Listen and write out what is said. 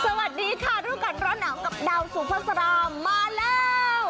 สวัสดีค่ะทุกคนร้านหนักกับดาวสุพศรามมาแล้ว